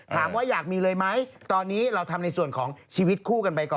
ถามว่าอยากมีเลยไหมตอนนี้เราทำในส่วนของชีวิตคู่กันไปก่อน